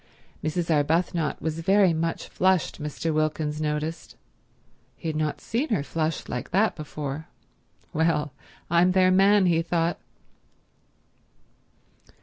Mrs. Arbuthnot was very much flushed, Mr. Wilkins noticed. He had not seen her flushed like that before. "Well, I'm their man," he thought.